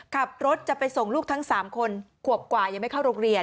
ขับรถจะไปส่งลูกทั้ง๓คนขวบกว่ายังไม่เข้าโรงเรียน